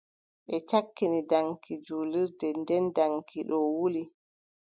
Ɓe cakkini daŋki jurlirnde, nden daŋki ɗo wuli.